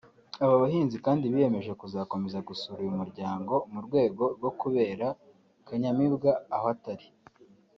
Aba bahanzi kandi biyemeje kuzakomeza gusura uyu muryango mu rwego rwo kubera Kanyamibwa aho atari